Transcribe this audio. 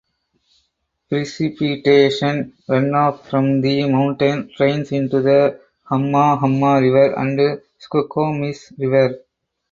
Precipitation runoff from the mountain drains into the Hamma Hamma River and Skokomish River.